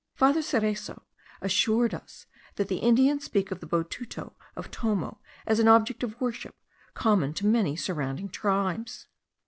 Father Cereso assured us, that the Indians speak of the botuto of Tomo as an object of worship common to many surrounding tribes.